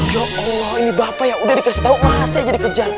ya allah ini bapak yang udah dikasih tahu masih aja dikejar